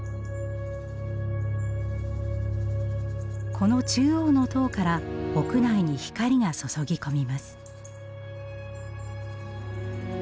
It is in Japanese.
この中央の塔から屋内に光が注ぎ込みます。